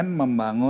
nah dalam modusnya